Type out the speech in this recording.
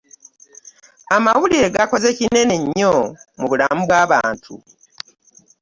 Amawulire gakoze kinene nnyo mu bulamu bw'abantu.